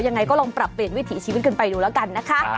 ยังไงก็ลองปรับเปลี่ยนวิถีชีวิตกันไปดูแล้วกันนะคะ